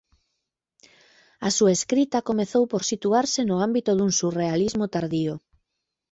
A súa escrita comezou por situarse no ámbito dun surrealismo tardío.